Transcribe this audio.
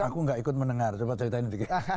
aku nggak ikut mendengar coba ceritain sedikit